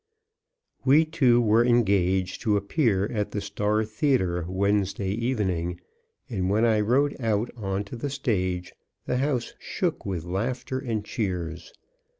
We two were engaged to appear at the Star Theatre Wednesday evening, and when I rode out on to the stage the house shook with laughter and cheers.